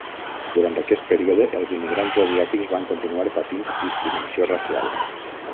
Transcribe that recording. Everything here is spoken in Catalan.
Durant aquest període, els immigrants asiàtics van continuar patint discriminació racial.